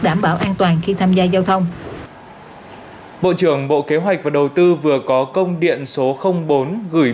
đảm bảo an toàn khi tham gia giao thông